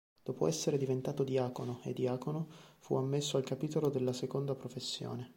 Dopo essere diventato diacono e diacono, fu ammesso al capitolo della seconda professione.